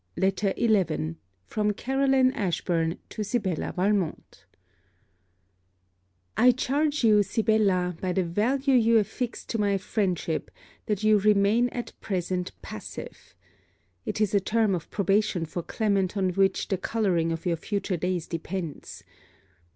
LETTER XI FROM CAROLINE ASHBURN TO SIBELLA VALMONT I charge you, Sibella, by the value you affix to my friendship, that you remain at present passive. It is a term of probation for Clement on which the colouring of your future days depends.